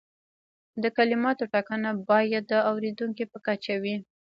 د کلماتو ټاکنه باید د اوریدونکي په کچه وي.